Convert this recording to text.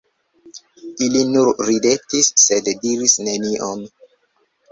Ili nur ridetis, sed diris nenion.